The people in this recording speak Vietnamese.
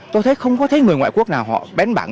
tôi thấy không có thấy người ngoại quốc nào họ bén